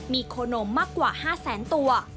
มีโครนมมากกว่า๕๐๐๐๐๐ตัว